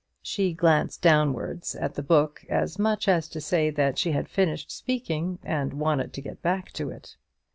She glanced downwards at the book, as much as to say that she had finished speaking, and wanted to get back to it.